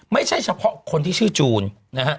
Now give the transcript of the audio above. ไม่ใช่เฉพาะคนที่ชื่อจูนนะฮะ